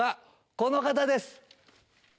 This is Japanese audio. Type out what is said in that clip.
この方です！